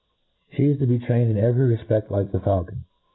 She is to be trained in every re^a like the faulcon.